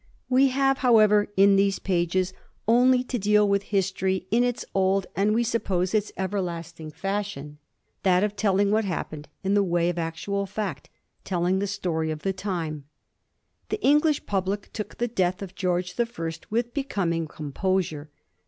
We have, however, in these pages only to deal with Digiti zed by Google 358 A mSTORY OF the four GEORGES, ch. xvm history in its old and, we suppose, its everlasting fashion — ^that of telling what happened in the way of actual fact, telling the story of the time. The English public took the death of George the First with be coming composure.